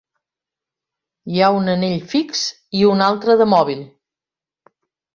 Hi ha un anell fix i un altre de mòbil.